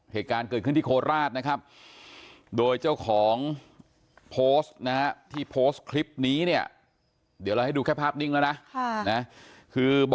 เหตุการณ์เกิดขึ้นที่โคราชนะครับ